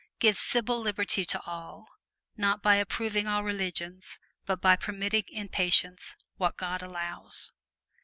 Give civil liberty to all, not by approving all religions, but by permitting in patience what God allows."